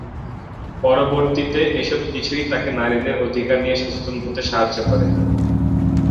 পরবর্তীতে এসব কিছুই তাকে নারীদের অধিকার নিয়ে সচেতন হতে সাহায্য করে।